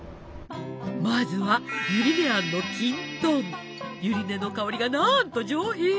まずはゆり根の香りがなんと上品！